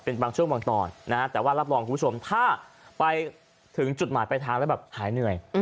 เป็นบางช่วงบางตอนนะฮะแต่ว่ารับรองคุณผู้ชมถ้าไปถึงจุดหมายไปทางแล้วแบบหายเหนื่อย